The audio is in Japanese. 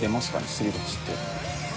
すり鉢って。